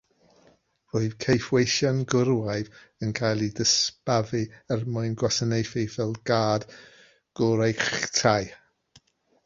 Roedd caethweision gwrywaidd yn cael eu disbaddu er mwyn gwasanaethu fel gard gwreictai.